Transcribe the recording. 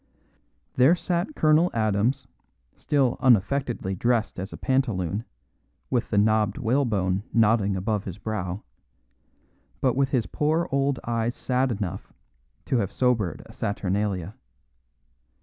There sat Colonel Adams, still unaffectedly dressed as a pantaloon, with the knobbed whalebone nodding above his brow, but with his poor old eyes sad enough to have sobered a Saturnalia.